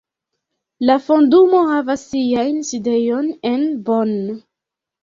La Fondumo havas sian sidejon en Bonn.